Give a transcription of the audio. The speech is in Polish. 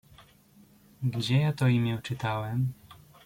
"Gdzie ja to imię czytałem?.."